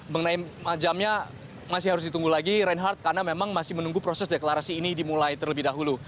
mengenai jamnya masih harus ditunggu lagi reinhardt karena memang masih menunggu proses deklarasi ini dimulai terlebih dahulu